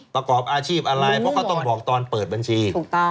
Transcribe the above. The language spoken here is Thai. ประกอบอาชีพอะไรเพราะเขาต้องบอกตอนเปิดบัญชีถูกต้อง